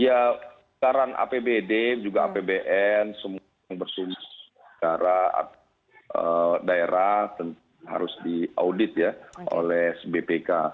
ya sekarang apbd juga apbn semua yang bersungguh secara daerah harus diaudit oleh bpk